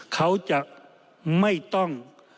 เขาจะไม่ต้อง